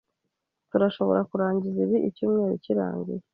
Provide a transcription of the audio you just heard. Turashobora kurangiza ibi icyumweru kirangiye?